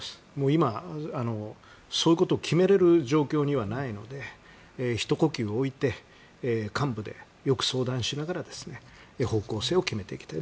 今、そういうことを決めれる状況にはないのでひと呼吸置いて幹部でよく相談をしながら方向性を決めていきたい。